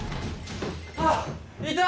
あっいた！